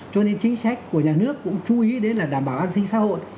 cho nên chính sách của nhà nước cũng chú ý đến là đảm bảo an sinh xã hội